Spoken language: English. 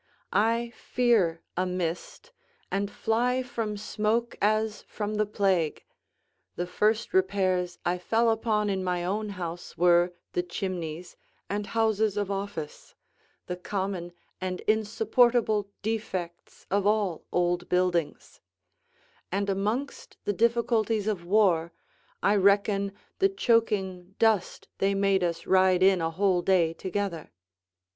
I fear a mist, and fly from smoke as from the plague: the first repairs I fell upon in my own house were the chimneys and houses of office, the common and insupportable defects of all old buildings; and amongst the difficulties of war I reckon the choking dust they made us ride in a whole day together.